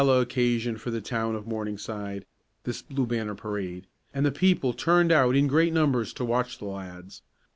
] It was a gala occasion for the town of Morningside, this Blue Banner parade, and the people turned out in great numbers to watch the lads.